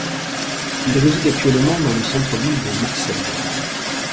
Il réside actuellement dans le centre-ville de Marseille.